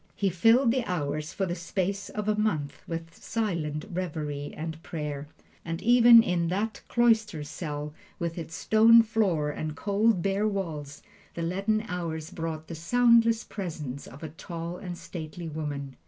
He filled the hours for the space of a month with silent reverie and prayer. And even in that cloister cell, with its stone floor and cold, bare walls, the leaden hours brought the soundless presence of a tall and stately woman.